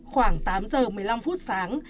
khoảng tám giờ một mươi năm phút sáng